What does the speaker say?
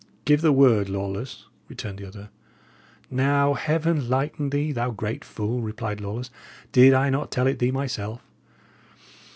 "Give the word, Lawless," returned the other. "Now, Heaven lighten thee, thou great fool," replied Lawless. "Did I not tell it thee myself?